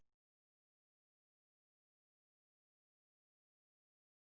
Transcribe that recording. โรงพยาบาลรับทรัพย์